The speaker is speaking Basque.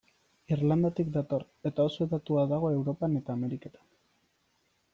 Irlandatik dator, eta oso hedatua dago Europan eta Ameriketan.